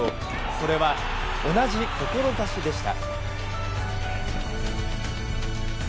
それは同じ志でした。